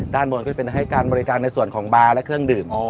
ด้านบนก็จะให้การบริการในส่วนของบาร์และเครื่องดื่ม